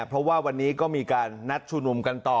เพราะว่าวันนี้ก็มีการนัดชุมนุมกันต่อ